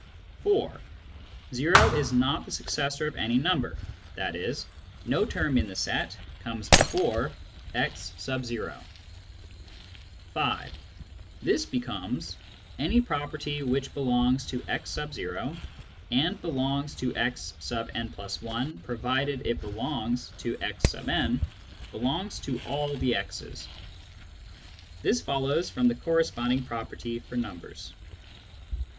(4) " o is not the successor of any number," i.e. no term in the set comes before x . (5) This becomes : Any property which belongs to x , and belongs to x n+1 provided it belongs to x„, belongs to all the x's. This follows from the corresponding property for numbers.